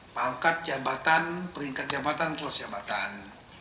pangkat jabatan peringkat jabatan kelas jabatan